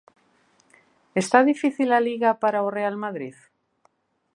Está difícil a Liga para o Real Madrid?